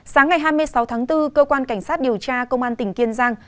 sáng ngày hai mươi sáu tháng bốn cơ quan cảnh sát điều tra công an tỉnh kiên giang